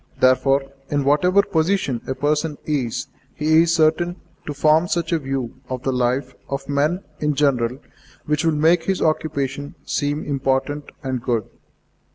Therefore, in whatever position a person is, he is certain to form such a view of the life of men in general which will make his occupation seem important and good.